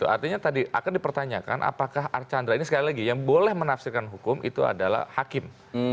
artinya tadi akan dipertanyakan apakah archandra ini sekali lagi yang boleh menafsirkan hukum itu adalah hakim